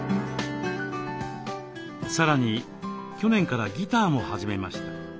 さらに去年からギターも始めました。